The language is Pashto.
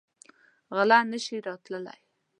غله نه شي راتلی.